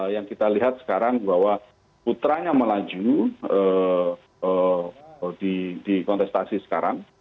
yang kita lihat sekarang bahwa putranya melaju di kontestasi sekarang